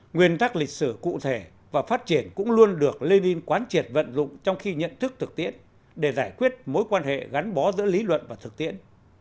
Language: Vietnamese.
nguyên tắc lịch sử cụ thể và phát triển cũng luôn được lenin quán triệt vận dụng trong khi nhận thức thực tiễn để giải quyết mối quan hệ gắn bó giữa lý luận và thực tiễn